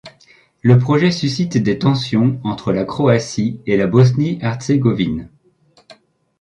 Le projet suscite des tensions entre la Croatie et la Bosnie-Herzégovine.